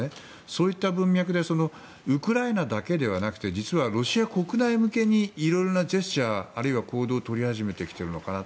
そういった文脈でウクライナだけではなくて実はロシア国内向けに色々なジェスチャーあるいは行動を取り始めてきてるのかな